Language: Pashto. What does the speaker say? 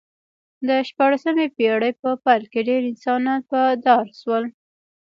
د شپاړسمې پېړۍ په پیل کې ډېر انسانان په دار شول